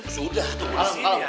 sudah tunggu disini aduh